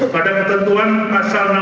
pada ketentuan pasal enam puluh enam satu